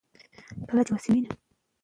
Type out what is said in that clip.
هغه کور چې په غونډۍ پروت دی زموږ دی.